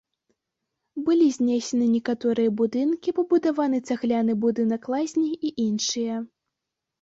Былі знесены некаторыя будынкі, пабудаваны цагляны будынак лазні і іншыя.